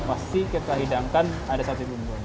pasti kita hidangkan ada sate bumbon